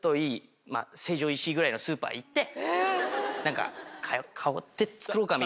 成城石井ぐらいのスーパー行って。